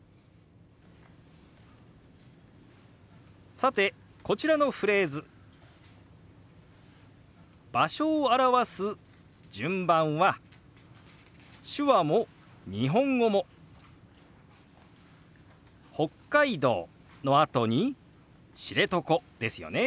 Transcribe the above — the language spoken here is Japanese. さてこちらのフレーズ場所を表す順番は手話も日本語も「北海道」のあとに「知床」ですよね。